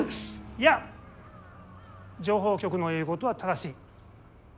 いや情報局の言うことは正しい。